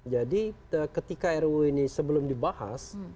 jadi ketika ruu ini sebelum dibahas